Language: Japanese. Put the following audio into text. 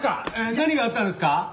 何があったんですか？